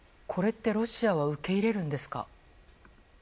これって、ロシアは受け入れるんですか？